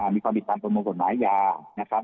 มีความผิดตามกฎหมายอาญานะครับ